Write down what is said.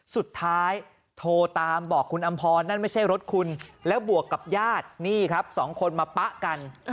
โทรตามบอกคุณอำพรนั่นไม่ใช่รถคุณแล้วบวกกับญาตินี่ครับสองคนมาปะกัน